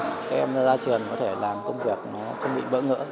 các em ra trường có thể làm công việc nó không bị bỡ ngỡ